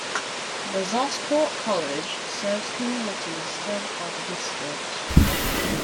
Brazosport College serves communities served by the district.